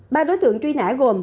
ba đối tượng truy nã gồm